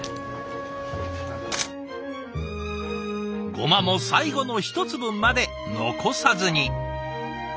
ごまも最後の一粒まで残さずに。